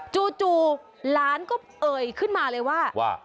จู่หลานก็เอ่ยขึ้นมาเลยว่า